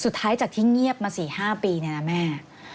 สุดท้ายจากที่เงียบมา๔๕ปีเนี่ยนะแม่